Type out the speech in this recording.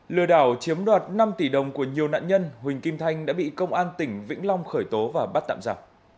lừa đảo chiếm đoạt năm tỷ đồng của nhiều nạn nhân huỳnh kim thanh đã bị công an tỉnh vĩnh long khởi tố và bắt tạm giả